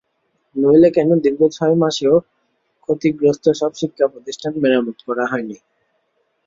নইলে কেন দীর্ঘ ছয় মাসেও ক্ষতিগ্রস্ত সব শিক্ষাপ্রতিষ্ঠান মেরামত করা হয়নি?